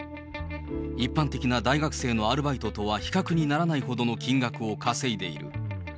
一般的な大学生のアルバイトとは比較にならないほどの金額を稼いでいる。